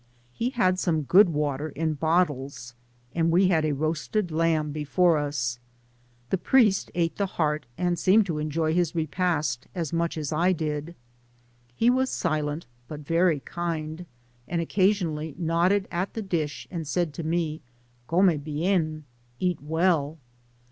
He had some good water in bottles, and we had a roasted lamb before us. Digitized byGoogk 272 THE PAMPAS. The priest ate the hearty and seemed to enjoy his repast as much as I did. He was silent, but very kindy and occasionally nodded at the dish and said to me, " Come bien!'' (Eat well.)